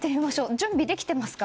準備できていますか？